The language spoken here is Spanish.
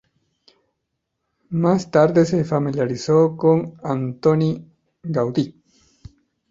Más tarde se familiarizó con Antoni Gaudí.